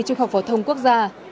trung học phổ thông quốc gia